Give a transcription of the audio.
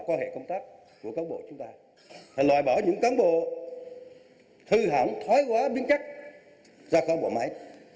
chúng ta loại bỏ những cán bộ thư hãng thoái hóa biến chất ra khỏi bộ máy